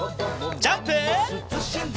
ジャンプ！